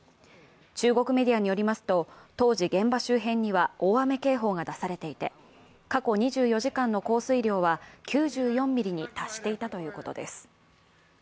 中国メディアによりますと、当時、現場周辺には大雨警報が出されていて過去２４時間の降水量は９４ミリに達していたということです。